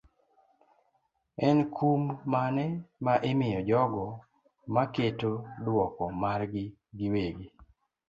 en kum mane ma imiyo jogo maketo duoko margi giwegi.